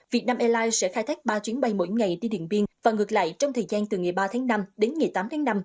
việt nam airlines sẽ khai thác ba chuyến bay mỗi ngày đi điện biên và ngược lại trong thời gian từ ngày ba tháng năm đến ngày tám tháng năm